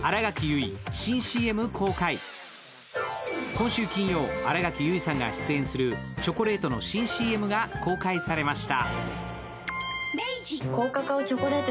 今週金曜、新垣結衣さんが出演するチョコレートの新ＣＭが公開されました。